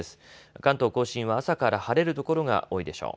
関東甲信は朝から晴れる所が多いでしょう。